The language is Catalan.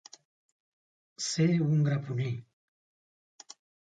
Ser un graponer.